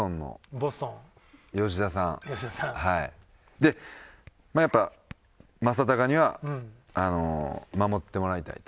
でまあやっぱ正尚には守ってもらいたいと。